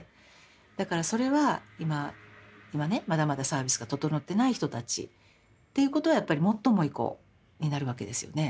だからそれは今今ねまだまだサービスが整ってない人たちっていうことはやっぱりもっと重い子になるわけですよね。